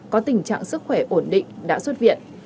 có tình trạng sức khỏe ổn định đã xuất viện